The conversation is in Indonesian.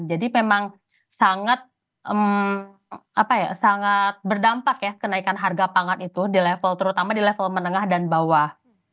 jadi memang sangat berdampak ya kenaikan harga pangan itu terutama di level menengah dan bawah